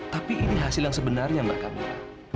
tapi ini hasil yang sebenarnya mbak kamila